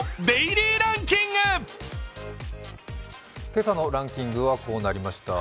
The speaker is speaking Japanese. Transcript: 今朝のランキングはこうなりました。